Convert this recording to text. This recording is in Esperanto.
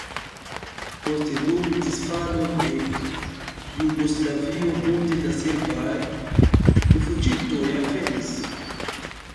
Poste dum disfalo de Jugoslavio multe da serbaj rifuĝintoj alvenis.